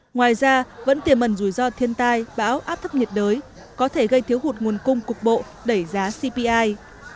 ngoài ra vẫn tiềm ẩn rủi ro thiên tai bão áp thấp nhiệt đới có thể gây thiếu hụt nguồn cung cục bộ đẩy giá cpi